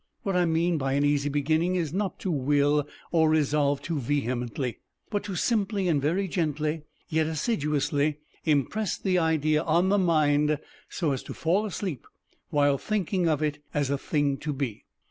What I mean by an easy beginning is not to will or resolve too vehemently, but to simply and very gently, yet assiduously, impress the idea on the mind so as to fall asleep while thinking of it as a thing to be.